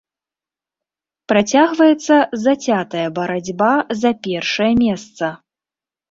Працягваецца зацятая барацьба за першае месца.